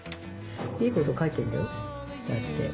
いいこと書いてんだよ。